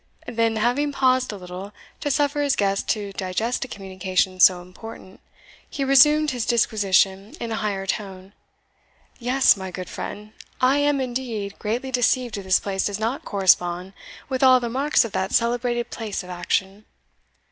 Then, having paused a little, to suffer his guest to digest a communication so important, he resumed his disquisition in a higher tone. "Yes, my good friend, I am indeed greatly deceived if this place does not correspond with all the marks of that celebrated place of action.